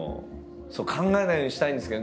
考えないようにしたいんですけど。